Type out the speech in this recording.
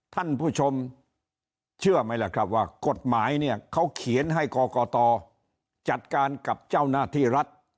ท่านผู้ชมเชื่อไหมล่ะครับว่ากฎหมายเนี่ยเขาเขียนให้กรกตจัดการกับเจ้าหน้าที่รัฐ